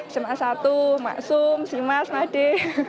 semangat satu maksum selamat selamat hari